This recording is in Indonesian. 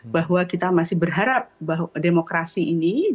bahwa kita masih berharap bahwa demokrasi ini